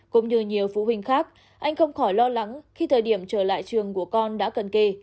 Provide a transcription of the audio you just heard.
cũng như nhiều phụ huynh khác anh không khỏi lo lắng khi thời điểm trở lại trường của con đã cận kề